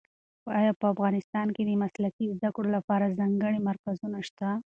ایا په افغانستان کې د مسلکي زده کړو لپاره ځانګړي مرکزونه شته؟